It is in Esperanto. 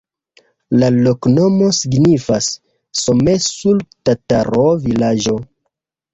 La loknomo signifas: Somesul-tataro-vilaĝo.